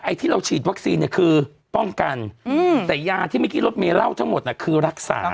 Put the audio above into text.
ที่เราฉีดวัคซีนเนี่ยคือป้องกันแต่ยาที่เมื่อกี้รถเมย์เล่าทั้งหมดคือรักษา